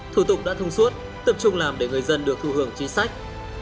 thủ tục đã thông suốt tập trung làm để người dân được thụ hưởng chính sách